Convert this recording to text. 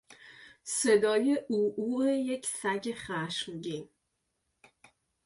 صدای عوعو یک سگ خشمگین